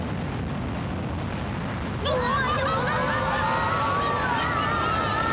うわ！